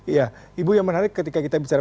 iya ibu yang menarik ketika kita bicara